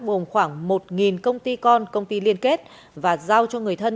vùng khoảng một công ty con công ty liên kết và giao cho người thân